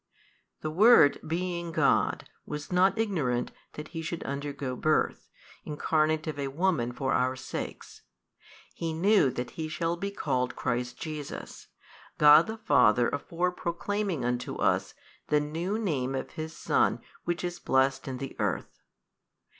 The Word being God, was not ignorant that He should undergo birth, Incarnate of a woman for our sakes: He knew that He shall be called Christ Jesus, God the Father afore proclaiming unto us the New Name of His Son which is blessed in the |221 earth 33.